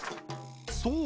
そう！